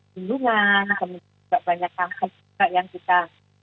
pembunuhan kemudian juga banyak kampus juga yang kita